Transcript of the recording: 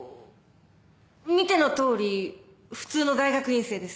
見ての通り普通の大学院生です。